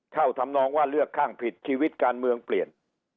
ทำนองว่าเลือกข้างผิดชีวิตการเมืองเปลี่ยน